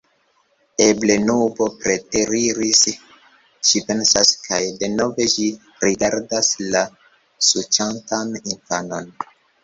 Eble nubo preteriris, ŝi pensas, kaj denove ŝi rigardas la suĉantan infanon.